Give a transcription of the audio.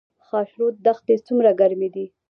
خاشرود دښتې څومره ګرمې دي؟